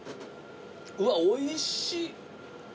うわおいしい。